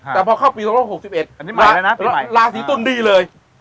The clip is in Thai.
แต่พอเข้าปี๒๖๑ราศรีตุลดีเลย